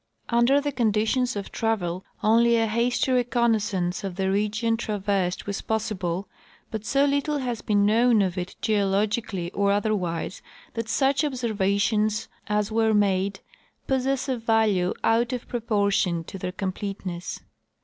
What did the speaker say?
Under the conditions of travel only a hasty reconnaissance of the region traversed was possible, but so little has been known of it geologically or otherwise that such observations as were made possess a value out of proportion to their comjjleteness.